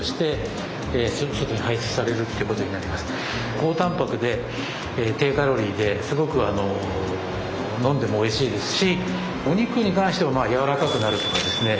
高たんぱくで低カロリーですごく飲んでもおいしいですしお肉に関しては柔らかくなるとかですね